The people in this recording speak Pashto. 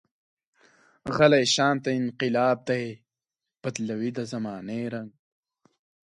غلی شانته انقلاب دی، بدلوي د زمانې رنګ.